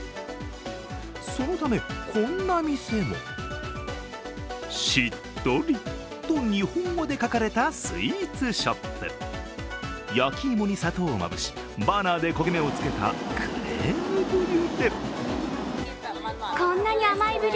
そのため、こんな店も「しっとり」と日本語で書かれたスイーツショップ焼き芋に砂糖をまぶしバーナーで焦げ目をつけたクリームブリュレ。